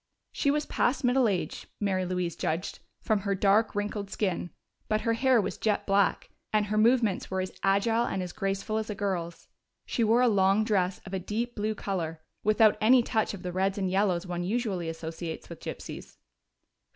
She was past middle age, Mary Louise judged, from her dark, wrinkled skin, but her hair was jet black, and her movements were as agile and as graceful as a girl's. She wore a long dress of a deep blue color, without any touch of the reds and yellows one usually associates with gypsies.